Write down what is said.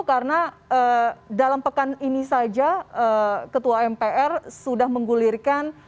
karena dalam pekan ini saja ketua mpr sudah menggulirkan